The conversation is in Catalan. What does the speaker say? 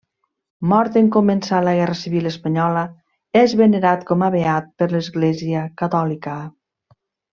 Mort en començar la Guerra Civil espanyola, és venerat com a beat per l'Església Catòlica.